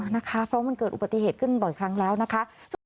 นะคะเพราะมันเกิดอุบัติเหตุขึ้นบ่อยครั้งแล้วนะคะ